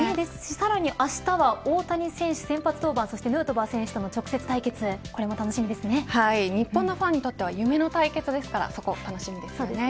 さらにあしたは大谷選手先発登板そしてヌートバー選手との日本のファンにとっては夢の対決ですから楽しみですね。